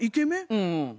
うん。